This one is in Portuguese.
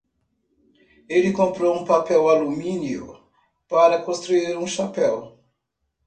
Ele comprou um papel-alumínio para construir um chapéu.